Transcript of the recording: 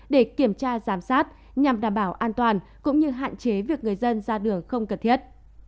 để kiểm tra giám sát nhằm đảm bảo an toàn cũng như hạn chế việc người dân ra đường không cần thiết